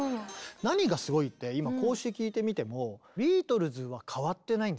何がすごいって今こうして聴いてみてもあ分かる。